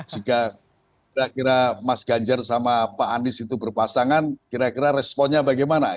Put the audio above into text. jika kira kira mas ganjar sama pak anies itu berpasangan kira kira responnya bagaimana